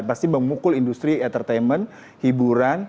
pasti memukul industri entertainment hiburan